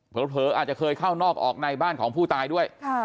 เผลออาจจะเคยเข้านอกออกในบ้านของผู้ตายด้วย